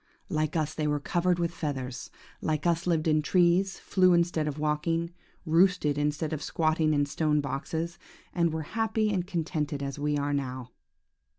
Like us they were covered with feathers, like us lived in trees, flew instead of walking, roosted instead of squatting in stone boxes, and were happy and contented as we are now!